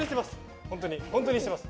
本当にしてます。